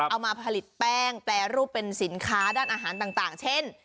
เอามาผลิตแป้งแปรรูปเป็นสินค้าด้านอาหารต่างเช่น